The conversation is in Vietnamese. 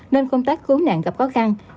nên công tác cứu nạn gặp khó khăn